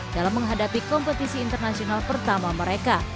dalam menghadapi kompetisi internasional pertama mereka